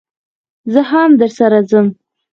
زه هم درسره ځم